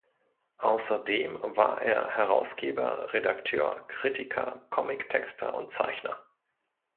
Außerdem war er Herausgeber, Redakteur, Kritiker, Comic-Texter und -Zeichner.